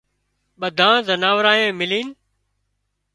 ٻڌانئي زنارانئي ملينَ